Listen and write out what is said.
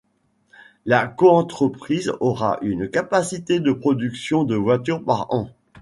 La coentreprise aura une capacité de production de voitures par an.